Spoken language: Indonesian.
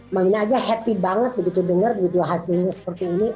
mainnya aja happy banget begitu denger begitu hasilnya seperti ini